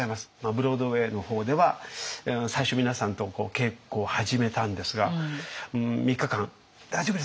ブロードウェイの方では最初皆さんと稽古を始めたんですが３日間「大丈夫ですか！